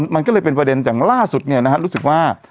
มันก็เลยเป็นคะเด็นที่ในล่าสุดรู้สึกว่า